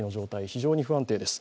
非常に不安定です。